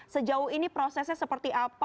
sejauh ini prosesnya seperti apa